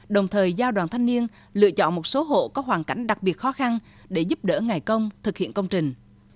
đồng thời giao đoàn thanh niên lựa chọn một số hộ có hoàn cảnh đặc biệt khó khăn để giúp đỡ ngày công thực hiện công trình